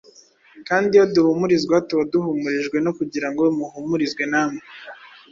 kandi iyo duhumurizwa, tuba duhumurijwe no kugira ngo muhumurizwe namwe,